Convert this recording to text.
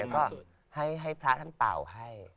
ก็ให้พระท่านเป่าให้